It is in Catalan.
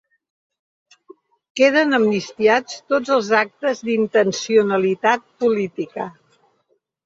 Queden amnistiats tots els actes d’intencionalitat política